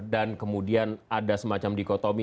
dan kemudian ada semacam dikotomi